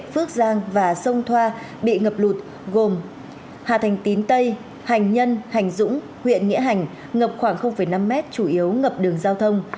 hành tín tây hành nhân hành dũng huyện nghĩa hành ngập khoảng năm m chủ yếu ngập đường giao thông